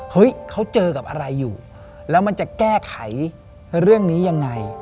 เฮ้ยเขาเจอกับอะไรอยู่แล้วมันจะแก้ไขเรื่องนี้ยังไง